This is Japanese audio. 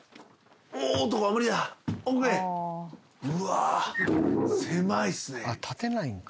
うわ狭いっすね。